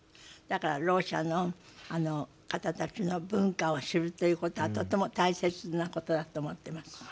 だからろう者の方たちの文化を知るということはとても大切なことだと思ってます。